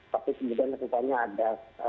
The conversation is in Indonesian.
tapi kemudian tentunya ada